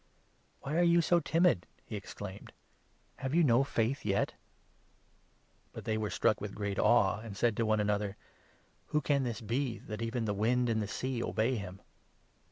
"Why are you so timid?" he exclaimed. "Have you 40 no faith yet ?" But they were struck with great awe, and said to one another: 41 " Who can this be that even the wind and the sea obey him